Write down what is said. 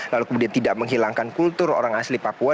lalu kemudian tidak menghilangkan kultur orang asli papua